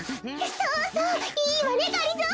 そうそういいわねがりぞー。